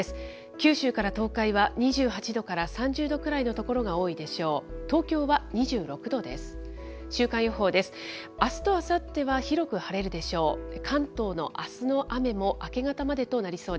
九州から東海は２８度から３０度くらいの所が多いでしょう。